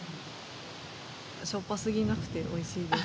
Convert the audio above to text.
しょっぱすぎなくて美味しいです。